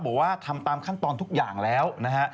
ที่ว่าทำตามขั้นตอนทุกอย่างแล้ว